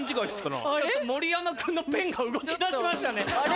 盛山君のペンが動き出しましたね。